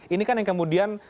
ini kan yang kemudian